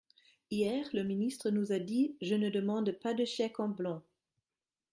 Hier, le ministre nous a dit :« Je ne demande pas de chèque en blanc.